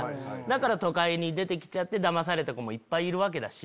だから都会に出て来ちゃってだまされた子もいっぱいいるし。